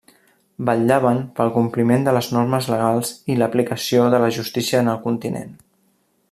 Vetllaven pel compliment de les normes legals i l'aplicació de la justícia en el continent.